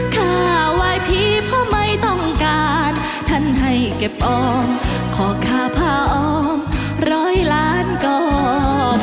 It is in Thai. ข้าว่ายผีเพราะไม่ต้องการท่านให้เก็บอ้อมขอข้าพ่ออ้อมร้อยล้านก็พอ